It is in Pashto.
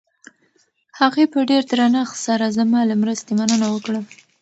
هغې په ډېر درنښت سره زما له مرستې مننه وکړه.